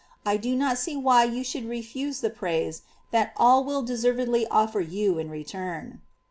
I do m»t see why you should refoae the praise that all will deservedly offer you in return.'"